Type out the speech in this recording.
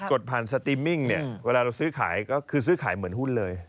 ดผ่านสติมมิ่งเนี่ยเวลาเราซื้อขายก็คือซื้อขายเหมือนหุ้นเลย